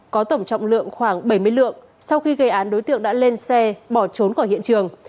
có tổng trọng lượng khoảng bảy mươi lượng sau khi gây án đối tượng đã lên xe bỏ trốn khỏi hiện trường